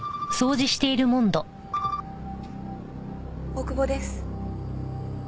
大久保です。